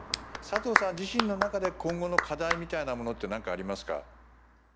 サトウさん自身の中で今後の課題みたいなものって何かありますか？